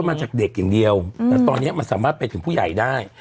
มาจากเด็กอย่างเดียวแต่ตอนนี้มันสามารถไปถึงผู้ใหญ่ได้